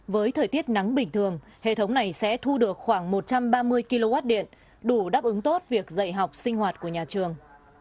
với thời tiết nắng bình thường hệ thống này sẽ thu được khoảng một trăm ba mươi kw điện đủ đáp ứng tốt việc dạy học sinh hoạt của nhà trường